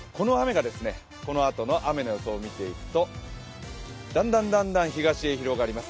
このあとの雨の予想を見ていくと、この雨がだんだん東へ広がります